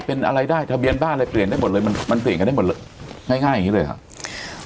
เป็นอะไรได้ทะเบียนบ้านอะไรเปลี่ยนได้หมดเลยมันมันเปลี่ยนกันได้หมดเลยง่ายง่ายอย่างงี้เลยเหรอ